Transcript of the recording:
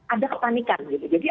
ada ketanikan gitu jadi